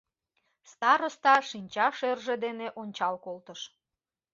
Староста шинча шӧржӧ дене ончал колтыш.